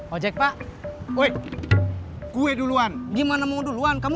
lalu kenapa dia dari awan kadang kadang ke tempat itu